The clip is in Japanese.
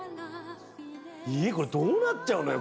これどうなっちゃうのよ